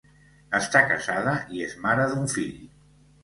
Està casada i és mare d'un fill.